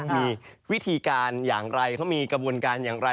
มีวิธีการอย่างไรเขามีกระบวนการอย่างไร